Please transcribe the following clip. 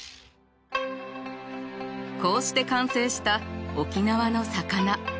こうして完成した沖縄の魚。